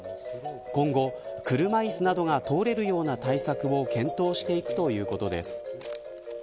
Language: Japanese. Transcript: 今後、車いすなどが通れるような対策を検討していくということです。